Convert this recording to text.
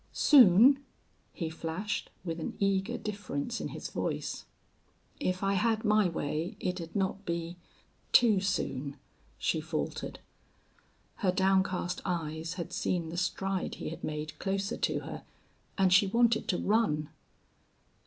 "Soon?" he flashed, with an eager difference in his voice. "If I had my way it'd not be too soon," she faltered. Her downcast eyes had seen the stride he had made closer to her, and she wanted to run.